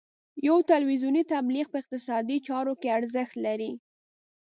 یو تلویزیوني تبلیغ په اقتصادي چارو کې ارزښت لري.